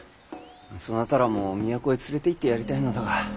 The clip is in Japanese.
そなたらも都へ連れていってやりたいのだが。